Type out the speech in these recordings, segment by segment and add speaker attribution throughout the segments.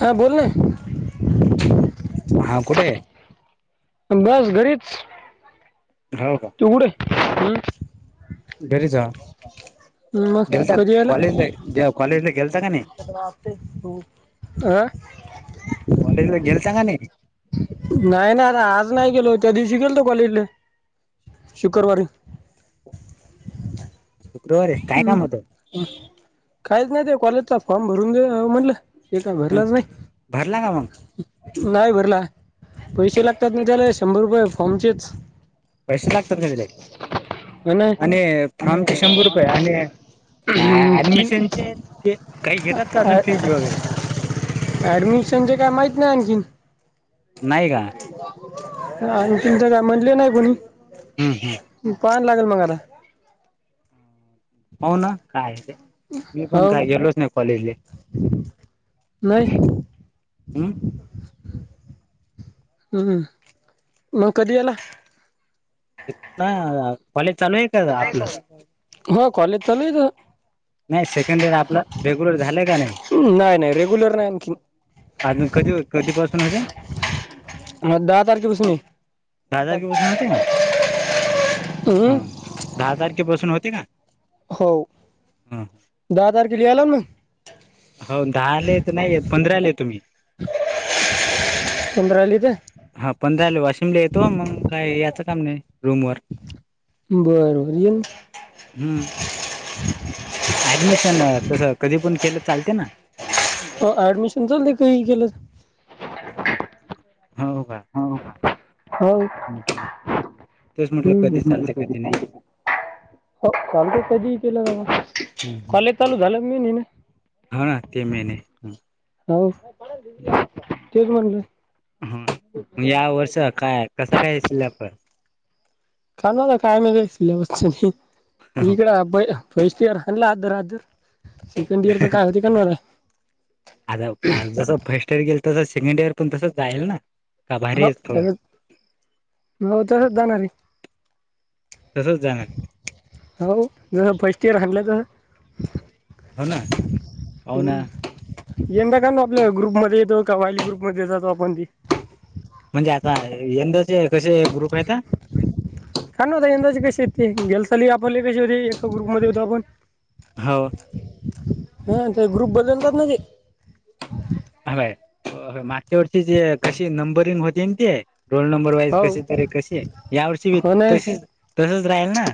Speaker 1: हा बोल ना?
Speaker 2: हा कुठे हे?
Speaker 1: बस घरीच.
Speaker 2: हाव का?
Speaker 1: तू कुठे?
Speaker 2: घरीच जा,
Speaker 1: मग
Speaker 2: गेलता
Speaker 1: कधी यायला
Speaker 2: कॉलेज ग कॉलेजला गेलत का नाही?
Speaker 1: हो, आ
Speaker 2: कॉलेजला गेलता का नाही?
Speaker 1: नाही ना, आज नाही गेलो, त्या दिवशी गेल तो कॉलेजला. शुक्रवारी
Speaker 2: डोरे काय
Speaker 1: हम्म.
Speaker 2: काम होतं?
Speaker 1: काहीच नाही, ते कॉलेजला फॉर्म भरून दे म्हंटलं ते काय भरलंच नाही.
Speaker 2: भरला का मग
Speaker 1: नाही भरला, पैसे लागतात ना त्याला, शंभर रुपये फॉर्मचेच.
Speaker 2: पैसे लागतात गडे, आणि फॉर्मचे शंभर रुपये, आणि
Speaker 1: तीन
Speaker 2: ऍडमिशनचे ते काही घेतात का अजून फी वगैरे
Speaker 1: ऍडमिशनचे काय माहित नाही आणखीन
Speaker 2: नाही का
Speaker 1: आणखीन जे काय म्हणले नाही कोणी.
Speaker 2: हम्म हम्.
Speaker 1: पहान लागेल मग आता.
Speaker 2: हाव ना, काय आहे ते मी पण
Speaker 1: हो
Speaker 2: काय गेलोच नाही कॉलेजले,
Speaker 1: नाही
Speaker 2: हम्.
Speaker 1: हम्, मग कधी याला
Speaker 2: कॉलेज चालू आहे? का आपलं
Speaker 1: हो, कॉलेज चालुय ना.
Speaker 2: नाही सेकंड इयर आपल रेग्युलर झालं का नाही?
Speaker 1: नाही नाही रेग्युलर नाही आणखी
Speaker 2: अजून कधी कधीपासून होते?
Speaker 1: ह दहा तारखे पासून
Speaker 2: दहा
Speaker 1: हे,
Speaker 2: तारखेपासून होते
Speaker 1: हम्.
Speaker 2: का दहा तारखेपासून होते का?
Speaker 1: हो,
Speaker 2: हं, हं.
Speaker 1: दहा तारखेला यायला मग?
Speaker 2: हो, दहा लेत नाही येत, पंधरा येतो मी.
Speaker 1: [unintelligible] पंधराला येतय
Speaker 2: हा, पंधरा वाशिमला येतो मग, काय याच काम नाही रूम वर.
Speaker 1: बर-बर येवून जा.
Speaker 2: हम्म! ऍडमिशन तसं कधी पण केलं चालते ना?
Speaker 1: हो ऍडमिशन चालते काही केलं.
Speaker 2: हो का.
Speaker 1: हो का होव.
Speaker 2: म्हटलं
Speaker 1: ह
Speaker 2: तेच म्हटलं
Speaker 1: कधी
Speaker 2: कधी
Speaker 1: चालते
Speaker 2: नाही.
Speaker 1: ते [unintelligible] हो चालत कधी केलं बाबा, कॉलेज चालू झालं की नाही म्हणे?
Speaker 2: हा.. ते मेन ये -
Speaker 1: हो.. तेच म्हणलं.
Speaker 2: हा.. या वर्ष काय कस काय स्लॅप
Speaker 1: कालवाला काय नाही सिलेबस
Speaker 2: आहे?
Speaker 1: इकड फर्स्ट इयर हल्लात. राज्यात सेकंड इयर च काय होते गड्या
Speaker 2: आता जसं फर्स्ट इयर गेल तसं सेकंड इयर पण तसं जाईल ना. का भारी
Speaker 1: हो
Speaker 2: आहेच
Speaker 1: त्या
Speaker 2: थोडं?
Speaker 1: म तसच जाणार आहे.
Speaker 2: तसंच जाणार आहे.
Speaker 1: भाऊ जसं फर्स्ट इयर हाणला का.
Speaker 2: हो ना, होव ना.
Speaker 1: यंदा का ना आपल्या ग्रुप मध्ये येतो का वायली ग्रुप मध्ये जातो आपण ती
Speaker 2: म्हणजे आता यंदाचे कसे ग्रुप आहे का?
Speaker 1: का नवता यंदाजी कशी येत गेल ली आपण कशी होती एका ग्रुप मध्ये होतो आपण
Speaker 2: हो
Speaker 1: हा.. ते ग्रुप बदलतात ना तेे
Speaker 2: हय मागच्या वर्षीचे जे कशी नंबरिंग होती ना ते रोल नंबर वाईज
Speaker 1: हो
Speaker 2: कशी तर कशी या वर्षी बी
Speaker 1: हो नाही
Speaker 2: तशीच तसच राहील ना?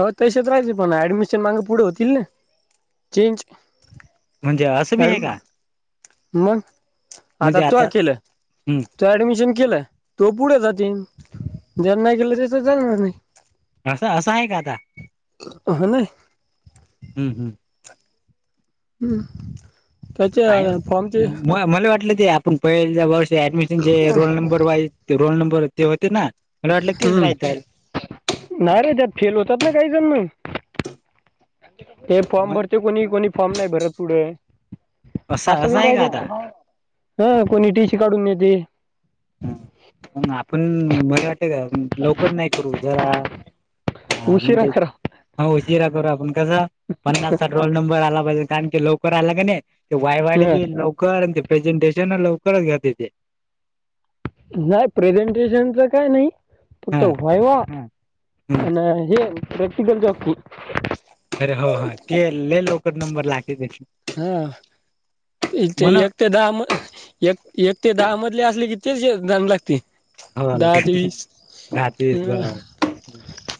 Speaker 1: हो तशत राहायचे पण ऍडमिशन माग पुढे होतील ना.. चेंज
Speaker 2: म्हणजे असं बी आहे
Speaker 1: हॅलो!..
Speaker 2: का
Speaker 1: मग, आता तू केलं?
Speaker 2: हम्
Speaker 1: तो ऍडमिशन केलं, तो पुढे जातील ज्यांनी नाही केलं त्याच जाणार नाही.
Speaker 2: असं असं आहे का आता?
Speaker 1: हो.. नाही
Speaker 2: हम् हम्
Speaker 1: हम्
Speaker 2: काय व.. म.. मला वाटलं ते अप पण पहिले वर्षी ऍडमिशनचे रोल नंबर वाइज ते रोल नंबर ते होते ना मला वाटलं तेच
Speaker 1: हम्म..
Speaker 2: राहतय
Speaker 1: नाही रे, त्यात फेल होतात ना काही जण मग ते फॉर्म
Speaker 2: मग
Speaker 1: भरते कोणी कोणी फॉर्म नाही भरत पुढे असं बन
Speaker 2: आहे
Speaker 1: राहिज
Speaker 2: का आता
Speaker 1: हं कोणी टीशी काढून नेते.
Speaker 2: ह प आपण मला वाट का लवकर नाही करू जरा हा..
Speaker 1: उशिरा
Speaker 2: म्हणजे
Speaker 1: करा
Speaker 2: ह उशिरा करू आपण कस पन्नास- साठ रोल नंबर आला पाहिजे कारण की लवकर आला का नाही ते वायवाले
Speaker 1: हा.
Speaker 2: बी लवकर ते प्रेझेंटेशन लवकरच घेत ते
Speaker 1: व्हयं प्रेझेंटेशनच काय नाही.
Speaker 2: हा
Speaker 1: फक्त वयव आणि हे.. प्रॅक्टिकल जात नाही.
Speaker 2: अरे हो हा ते लइ लवकर नंबर लागे
Speaker 1: हा ते एक ते दहा म एक एक ते दहा मधले असले की तेच जाण लागते.
Speaker 2: हो
Speaker 1: दहा ते वीस
Speaker 2: दहा तेवीस
Speaker 1: हम्
Speaker 2: बरोबर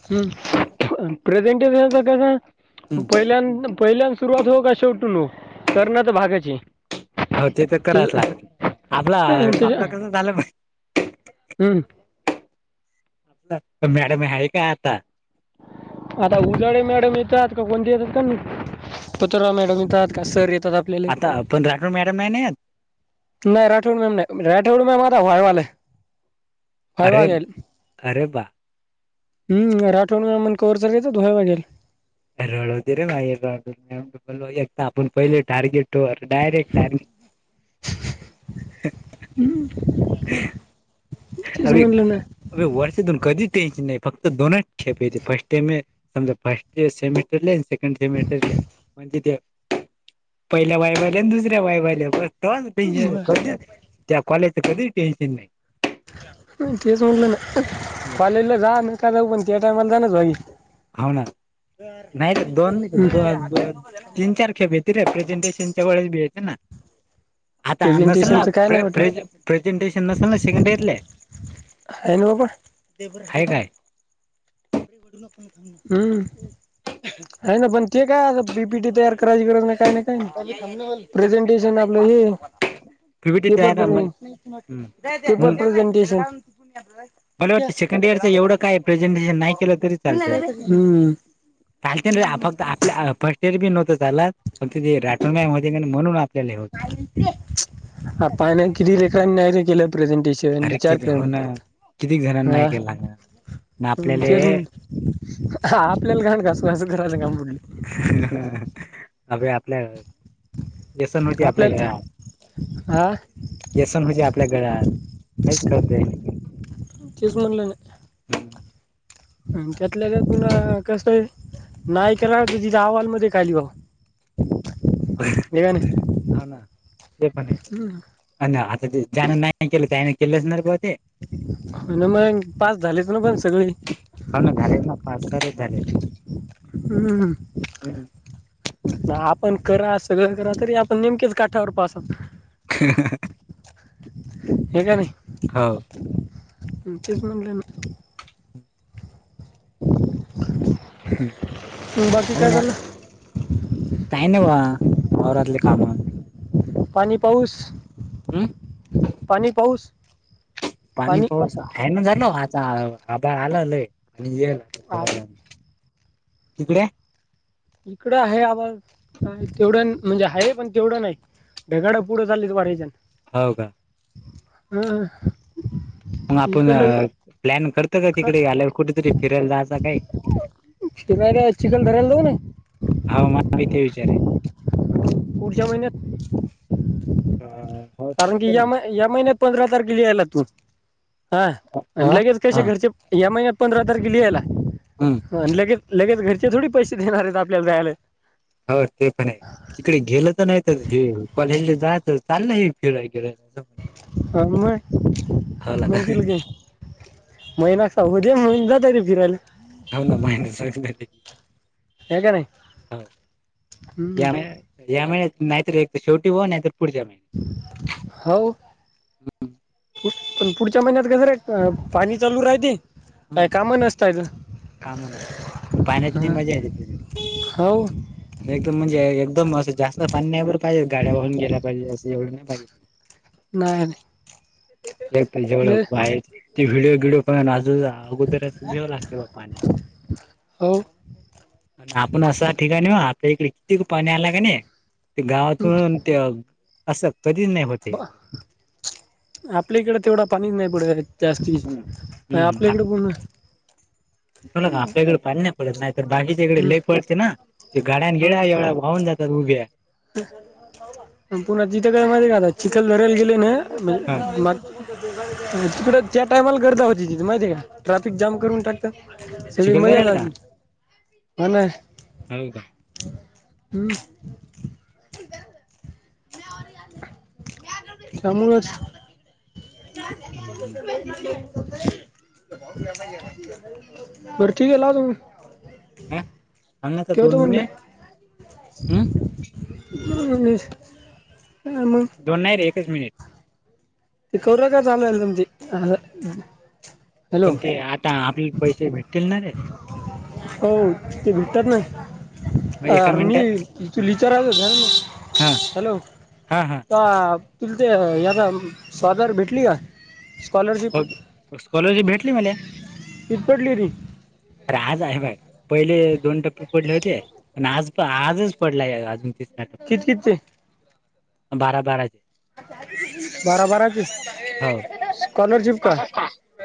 Speaker 1: हम्म प्रेझेंटेश कसं पहिल्या अन.. पहिल्यांद सुरुवात हो का शेवटी नू करणार तर भागाच आहे.
Speaker 2: हो ते तर करायच लागते, आपला
Speaker 1: त्याच्या
Speaker 2: आपला कसं झालं पाहिज.
Speaker 1: हम्म
Speaker 2: मॅडम आहे का आता?
Speaker 1: आता उजाडे मॅडम येतात का कोणते येतात का नाही पतुरा मॅडम येतात का सर येतात आपल्या
Speaker 2: आ आपण राठोड मॅडम आहे ना
Speaker 1: नाही राठोड मॅम नाही राठोड मॅम आता वायवाला आहे हाय
Speaker 2: अरे
Speaker 1: वाघेल.
Speaker 2: अरे बा
Speaker 1: हम् राठवण मण कोरचालेत धुहे्या माघेल.
Speaker 2: रडवते रे नाहीड एकता आपण पहिले टार्गेटर डायरेक्ट टार्गे
Speaker 1: हम्
Speaker 2: ह [inaudible] अर
Speaker 1: ना
Speaker 2: अ वर्ष दोन कधीच त्या्यायच नाही फक्त दोनच खेपेयचे फर्स्ट टामे. समज फस्ट सेमिस्टर. म्हणज ते पहिल्या बाई आल्या दुसऱ्या बाईफ आल्या टेन्शन
Speaker 1: बरं
Speaker 2: कधी त्या कॉलेजच कधी टेन्शन नाही.
Speaker 1: तेच म्हटलं ना कॉलेजला जा न का जाऊ पण त्या टायमाला जा ना च भावी
Speaker 2: होा ना.. नाही र दोन नाही दोन द.. दोन तीन चार खेप येते रे प्रेझेंटेशनच्या वेळी येते ना? आता नसेल नाे
Speaker 1: प्रेझेंटेशनच काय
Speaker 2: प्रे...
Speaker 1: नाही वाटत
Speaker 2: प्रे प्रेझेंटेशन नसेल ना सेकंड इयरले
Speaker 1: आहेन बाबा
Speaker 2: आहे काय
Speaker 1: ह आहे ना पण ते काय आ बीपीटी तयार करायची गरज नाही काय ना काय प्रेझेंटेशन आपलं हे.
Speaker 2: ह [unintelligible]
Speaker 1: पप पपर प्रझंटेशन.
Speaker 2: मला वाटतं सेकंड इयरच एवढं काय प्रेझेंटेशन नाही केलं तरी चालतय.
Speaker 1: हम्म
Speaker 2: चालते ना रे फक्त आपल्या बी नव्हं चालात पण त ते राठून का होते म्हणून आपल्याला हो.
Speaker 1: अ ना किती रलेखड नाही केलं प्रेझेंटेशन. वि
Speaker 2: अरे
Speaker 1: चार
Speaker 2: किती
Speaker 1: कर
Speaker 2: हो ना किती जणांना
Speaker 1: हा
Speaker 2: हे केलं लागणार ना आपल्याले
Speaker 1: तेच म्ह. आपल्याला घाण घसूं करायच का बडलं.
Speaker 2: अ आपल्या व्यसन होती आपल्या घरात.
Speaker 1: आं
Speaker 2: व्यसन म्हजे आपल्या घरात काहीच करतय नाही.
Speaker 1: चस म्हनलेने. त्यातल्या तर तुन कसय नाही करात तिथे अहवालमध्येध्ये खली बा ह [unintelligible]
Speaker 2: हा ना ते पण
Speaker 1: हम्म.
Speaker 2: आहे आ आता ते ज्यांना नाही केलं त्यांना आता केला असणार ते.
Speaker 1: हो ना मग पास झालेच ना पण सगळे.
Speaker 2: हो ना झाले ना पाच सारच झाले.
Speaker 1: हम्म. आपण करा सगळं करा तरी आपण नेमकेच काठावर पासा.
Speaker 2: [inaudible]
Speaker 1: हे काय आणि
Speaker 2: हो
Speaker 1: तेच म्हणलं न बाकी काय चाल्लं
Speaker 2: काय नाही भा वावरातले काम
Speaker 1: पाणी पाऊस
Speaker 2: हम्म
Speaker 1: पाणी पाऊस
Speaker 2: पाणी पाऊस हाय न झालो आचा आबाळ आला लय
Speaker 1: आप
Speaker 2: आणि [unintelligible] तिकड्या
Speaker 1: इकडं हाय आवाज काय तेवढं म्हणजे हाय पण तेवढं नायी. ढगाड पुड चालीत वाऱ्याचान
Speaker 2: हाव का
Speaker 1: हम्म
Speaker 2: मग आपून प्लॅन करत का तिकडे आल्यावर कुठेतरी फिरायला जायचा काही
Speaker 1: [unintelligible] जाऊ नाही
Speaker 2: आ मा [unintelligible] ती विचारे
Speaker 1: पुढच्या महिन्यात
Speaker 2: आ
Speaker 1: कारण की या म या महिन्यात पंधरा तारखे लिहायला तू हा आण
Speaker 2: अ
Speaker 1: लगेच कसे
Speaker 2: हा
Speaker 1: घरचे या महिन्यात पंधरा तारखे लिहायला
Speaker 2: हम्म
Speaker 1: ह अन लगेच लगेच घरचे थोडे पैसे देणारेत आपल्याला जायला
Speaker 2: ह ते कणे तिकडे गेलं तर नाही तर हे कॉलेजले जा चाललं हे फिराय इकडं
Speaker 1: हम म
Speaker 2: हो ना
Speaker 1: मग दिल कि महिना स हूदे म्हणून जात्याली फिरायला
Speaker 2: हावना
Speaker 1: हे का नाही
Speaker 2: [unintelligible]
Speaker 1: हम्म.
Speaker 2: या महिन्यात नाहीतर एक तर शेवटी हो नाहीतर पुढच्या महिन्या
Speaker 1: हो पण पुढच्या महिन्यात कास रे पाणी चालू राहिते
Speaker 2: हम
Speaker 1: काय काम नसतायत.
Speaker 2: काम नसतात आणि पान्यातनी मजा येते.
Speaker 1: हो
Speaker 2: एकदम म्हणजे एकदम असं जास्त पाणी नाही बर पाहिजे गाड्या वाहून गेल्या पाहिजे असं एवढं नाही पाहिजे.
Speaker 1: मग
Speaker 2: एकट जेवलो बाहेर ते व्हिडिओ बिडीओ [unintelligible] अगोदर अस [unintelligible] असते पाण्यात
Speaker 1: हो
Speaker 2: अन आपण असा ठिकाणी ओ आपल्या [unintelligible] पाणी आला किनी कि गावातून त्यो अस कधी नाय होत.
Speaker 1: ब आपल्या इकडे तेवढं पाणी नाही पढरी जास्ती नाही
Speaker 2: हम्म
Speaker 1: आपल्या इकड
Speaker 2: आपलं
Speaker 1: कोण
Speaker 2: [unintelligible] का आपल्या इकड पाणी नाही पडत नाही तर बाकीच्या इकडे
Speaker 1: हं,
Speaker 2: लई पळते ना ते गड्या न गिड्या एवढ्या वाहून जाता उभ्या
Speaker 1: अन पुन्हा जित काय माहिते का चिखल भरायला गेले ना
Speaker 2: हा
Speaker 1: म्ह तिकड त्या टायमाला गर्दा होती तिथे माहिते का ट्राफिक जाम करून टाक त सगळी मजा
Speaker 2: चिखलदऱ्याला का?
Speaker 1: जाती अन
Speaker 2: हो का?
Speaker 1: हम्म [unintelligible] त्यामुळंच [unintelligible] [unintelligible] वरती गेला तुम्ही
Speaker 2: ह
Speaker 1: ठवतो म्हणलं
Speaker 2: हम्म
Speaker 1: आणि ह म
Speaker 2: दोन नाही र एकच मिनिट
Speaker 1: ते कररा का चालू आहेल तुमची हॅलो
Speaker 2: पण ते आता आपले पैसे भेटतील ना रे
Speaker 1: हो ते भेटतात ना
Speaker 2: एका
Speaker 1: र मी
Speaker 2: मिनिटात
Speaker 1: त तुच रा
Speaker 2: हा
Speaker 1: हॅलो
Speaker 2: हा हा.
Speaker 1: आ तुला ते या स्ॉजर भेटली का स्कॉलरशिप
Speaker 2: हो स्कॉलची भेटली मला
Speaker 1: किती पडली ती
Speaker 2: राजज आहे बाई पहिले दोन टप्पे पडले होते आणि आज आजच पडलाय अजून तिथ
Speaker 1: किती किती ते
Speaker 2: बारा बाराचे
Speaker 1: बारा बाराची
Speaker 2: हो
Speaker 1: स्कॉलरशिप का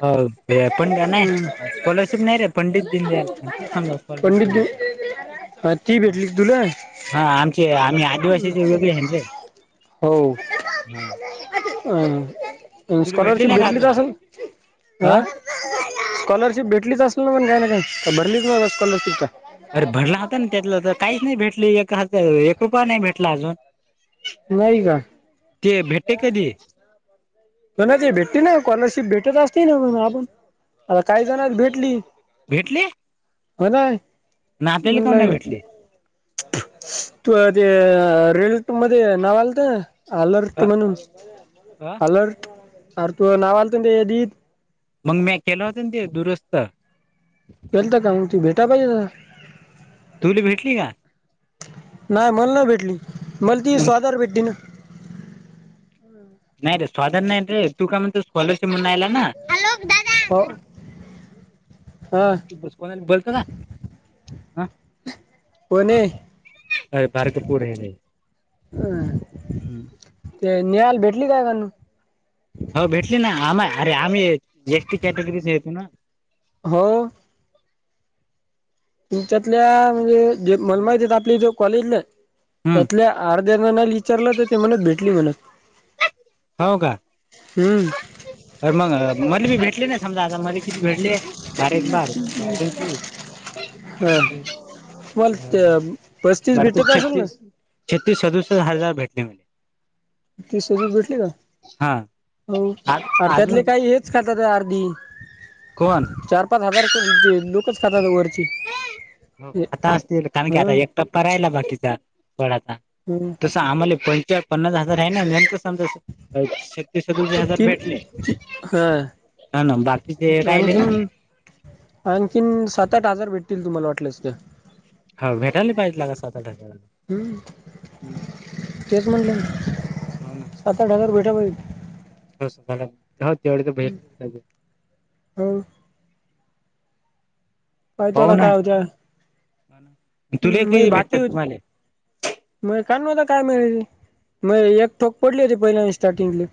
Speaker 2: हो पण घ
Speaker 1: हम्म.
Speaker 2: नाही स्कॉलरशिप नाही रे पंडित दिनदयालच समजा स्कॉलरशिप
Speaker 1: ह ती भेटली तुला
Speaker 2: हा आमचे आम्ही आदिवासीचे वेगळे आहे रे
Speaker 1: हो
Speaker 2: ह
Speaker 1: स्कॉलरशिप
Speaker 2: नाही का
Speaker 1: भेटली तर
Speaker 2: अजून
Speaker 1: असेल ह स्कॉलरशिप भेटलीच असेल ना पण काय ना काय भरलीच ना स्कॉलरशिपच्या
Speaker 2: अरे भरला होता ना त्यातलं तर काहीच नाही भेटली एक रुपय नाही भेटला अजून
Speaker 1: नाही का
Speaker 2: ते भेटते कधी
Speaker 1: ना ते भेटते ना स्कॉलरशिप भेटत असते ना आपण आता काही जण भेटली
Speaker 2: भेटले
Speaker 1: हो नाय
Speaker 2: ना आपल्याला का नाही
Speaker 1: म्हणग
Speaker 2: भेटले
Speaker 1: तू ते रेल मध्ये नाव आलत अलर्ट
Speaker 2: अ?
Speaker 1: म्हणून
Speaker 2: अ?
Speaker 1: अलर्ट तू नावालत ते द
Speaker 2: मग मी केलं होत ते दुरुस्त
Speaker 1: ेलता का त बेटा पाहिजे
Speaker 2: तुला भेटली का
Speaker 1: नाही मला न भेटली मला ती
Speaker 2: नाही
Speaker 1: स्वादार भेटली ना
Speaker 2: नाही रे साधार नाही रे तू काय म्हण स्ॉलरशिप म्हणून आयला ना हॅलो दादा
Speaker 1: हो हा
Speaker 2: कोणा बोलत का ह
Speaker 1: कोणे
Speaker 2: आरे बारक पोर आहे रे
Speaker 1: ते निहाल भेटली काय काू
Speaker 2: हो भेटली ना आम्हा अरे आम्ही एस टी कॅटेगरी येतो ना
Speaker 1: हो तुमच्यातल्या म्हणजे जे मलमाहितेत आपली ज कॉलेजला
Speaker 2: हम्म
Speaker 1: त्यातल्या अर्ध्याना नाही विचारलं तर ते म्हणत भेटली म्हणत
Speaker 2: होा का
Speaker 1: हम्
Speaker 2: अर मग मला मी भेटले नाही समजा आता मला किती भेटले बारा एक बार बार दुनी चोविस
Speaker 1: हा तुम्हाला ते पस्तीस
Speaker 2: विस
Speaker 1: भेटत
Speaker 2: ती
Speaker 1: असेल ना
Speaker 2: छत्तीस छत्तीस सदुस हजार भेटतिन म्हले
Speaker 1: तीस रपये भेटले का
Speaker 2: हा
Speaker 1: हो अर्ध्यातले
Speaker 2: अजून
Speaker 1: काही आहेत. घालत ते अर्धी
Speaker 2: कोण
Speaker 1: चार पाच हजार. ते लोकच खातात वरची.
Speaker 2: हो
Speaker 1: हे
Speaker 2: आता असतील कारण की
Speaker 1: हा
Speaker 2: आता एक टप्पा राहिला बाकीचा थोडाचा.
Speaker 1: हम्म
Speaker 2: जस आम्हाला पं पन्नास हजार आहे ना नंत समजा. हजार
Speaker 1: तीन
Speaker 2: भेटले
Speaker 1: ती हा
Speaker 2: ह ना बाकीचे राहिले ना.
Speaker 1: आणखीन आणखीन सात आठ हजार भेटतील तुम्हाला वाटलंस ते.
Speaker 2: ह भेटायला पाहिजे का सात आठ हजार.
Speaker 1: हम् तेच म्हटलं
Speaker 2: हो
Speaker 1: सतत सात आठ हजार भेटेल.
Speaker 2: हो स हो तेवढे तर भेट
Speaker 1: हो पाहि
Speaker 2: पाहू
Speaker 1: तेवढ
Speaker 2: ना
Speaker 1: काय होतय.
Speaker 2: तुला
Speaker 1: हम्म म
Speaker 2: किती
Speaker 1: बाकी हो.
Speaker 2: भेटतात तुम्हाला
Speaker 1: मग कानवता काय मि मग एक ठोक पडली होती पहिल्या स्टार्टिंगले.